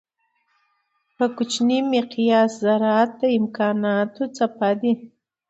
په کوچني مقیاس ذرات د امکانانو څپه دي.